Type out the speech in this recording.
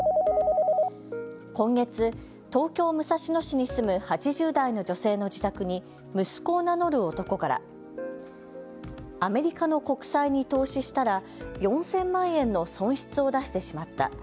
今月、東京・武蔵野市に住む８０代の女性の自宅に息子を名乗る男からアメリカの国債に投資したら４０００万円の損失を出してしまった。